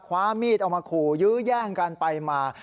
คว้ามีดเอามาขู่ยื้อแย่งกันไปมา